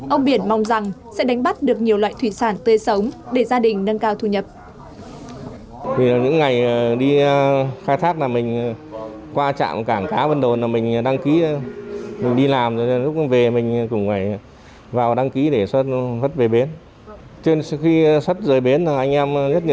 ông biển mong rằng sẽ đánh bắt được nhiều loại thủy sản tươi sống để gia đình nâng cao thu nhập